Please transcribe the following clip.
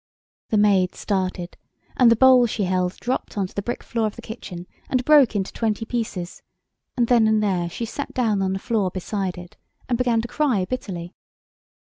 The maid started, and the bowl she held dropped on to the brick floor of the kitchen and broke into twenty pieces; and then and there she sat down on the floor beside it, and began to cry bitterly.